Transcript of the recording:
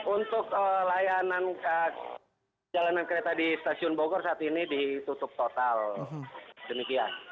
untuk layanan jalanan kereta di stasiun bogor saat ini ditutup total demikian